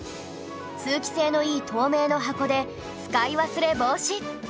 通気性のいい透明の箱で使い忘れ防止